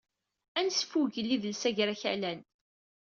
Ad nesfugel idles agerakalan